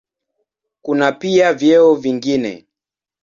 Kuna pia vyeo vingine.